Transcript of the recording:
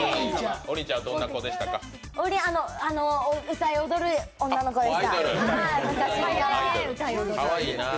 歌い踊る女の子でした。